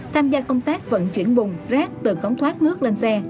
tham gia công tác vận chuyển bùng rác từ cống thoát nước lên xe